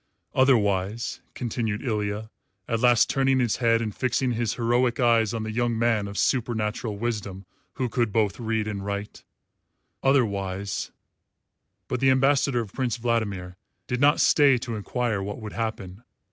"Otherwise," continued Ilya, at last turning his head and fixing his heroic eyes on the young man of supernatural wisdom who could both read and write, "otherwise " But the ambassador of Prince Vladimir did not stay to enquire what would happen.